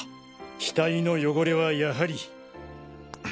額の汚れはやはり。